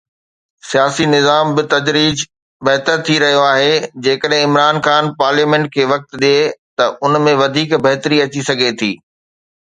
سياسي نظام بتدريج بهتر ٿي رهيو آهي جيڪڏهن عمران خان پارليامينٽ کي وقت ڏئي ته ان ۾ وڌيڪ بهتري اچي سگهي ٿي.